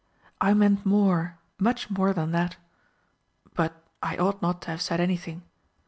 "I meant more much more than that. But I ought not to have said anything."